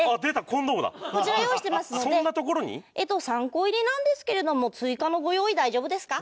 ３個入りなんですけれども追加のご用意大丈夫ですか？